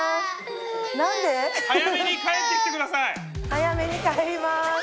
早めに帰ります！